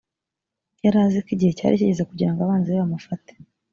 yari azi ko igihe cyari kigeze kugira ngo abanzi be bamufate